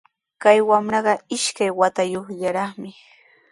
Kay wamraqa ishkay watayuqllaraqmi